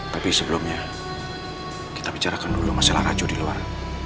tapi sebelumnya kita bicarakan dulu masalah racu di luar